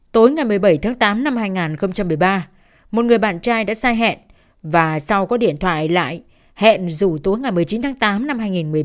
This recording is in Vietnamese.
tối ngày một mươi bảy tháng tám năm hai nghìn một mươi ba một người bạn trai đã sai hẹn và sau có điện thoại lại hẹn dù tối ngày một mươi chín tháng tám năm hai nghìn một mươi ba